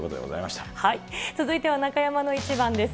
続いては中山のイチバンです。